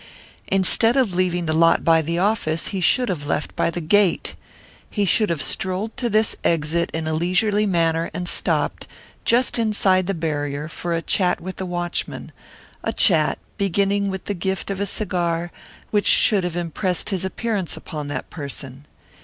Instead of leaving the lot by the office he should have left by the gate. He should have strolled to this exit in a leisurely manner and stopped, just inside the barrier, for a chat with the watchman; a chat, beginning with the gift of a cigar, which should have impressed his appearance upon that person.